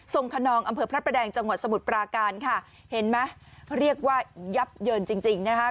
คนนองอำเภอพระประแดงจังหวัดสมุทรปราการค่ะเห็นไหมเรียกว่ายับเยินจริงจริงนะคะ